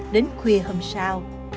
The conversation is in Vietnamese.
đến khuya hôm sau